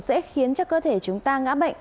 sẽ khiến cơ thể chúng ta ngã bệnh